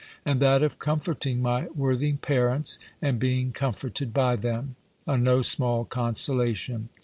and that of comforting my worthy parents, and being comforted by them a no small consolation!